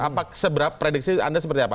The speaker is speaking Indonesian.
apakah seberapa prediksi anda seperti apa